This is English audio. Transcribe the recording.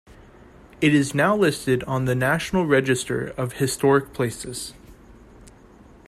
It is now listed on the National Register of Historic Places.